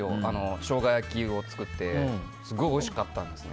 ショウガ焼きを作ってすごいおいしかったんですね。